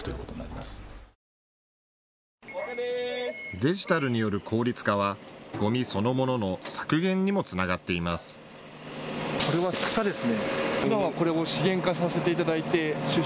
デジタルによる効率化はゴミそのものの削減にもつながっています。